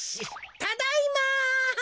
ただいま！